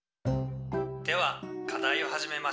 「では課題を始めましょう。